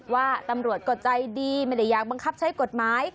ว่าตำรวจก็ใจดีไม่ได้อยากบังคับใช้กฎหมาย